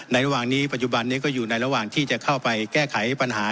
ระหว่างนี้ปัจจุบันนี้ก็อยู่ในระหว่างที่จะเข้าไปแก้ไขปัญหา